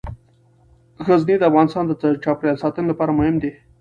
غزني د افغانستان د چاپیریال ساتنې لپاره مهم دي.